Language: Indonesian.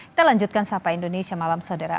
kita lanjutkan sapa indonesia malam saudara